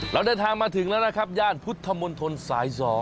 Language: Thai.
เราเดินทางมาถึงแล้วนะครับย่านพุทธมนตรสาย๒